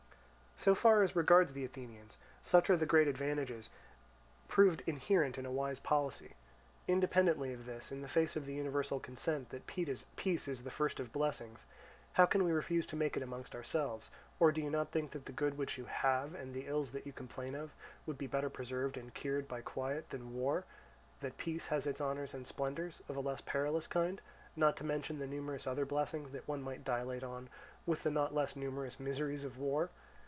"So far as regards the Athenians, such are the great advantages proved inherent in a wise policy. Independently of this, in the face of the universal consent, that peace is the first of blessings, how can we refuse to make it amongst ourselves; or do you not think that the good which you have, and the ills that you complain of, would be better preserved and cured by quiet than by war; that peace has its honours and splendours of a less perilous kind, not to mention the numerous other blessings that one might dilate on, with the not less numerous miseries of war?